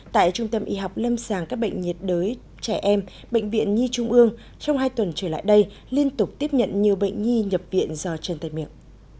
tại trung tâm y học lâm sàng các bệnh nhiệt đới trẻ em bệnh viện nhi trung ương trong hai tuần trở lại đây liên tục tiếp nhận nhiều bệnh nhi nhập viện do chân tay miệng